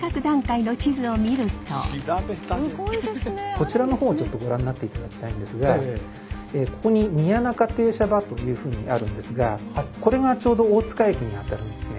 こちらの方をちょっとご覧になっていただきたいんですがここに宮仲停車場というふうにあるんですがこれがちょうど大塚駅にあたるんですね。